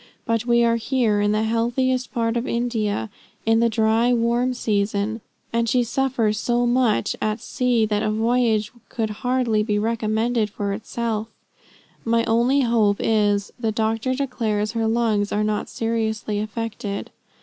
But we are here in the healthiest part of India, in the dry, warm season, and she suffers so much at sea that a voyage could hardly be recommended for itself. My only hope is, the doctor declares her lungs are not seriously affected.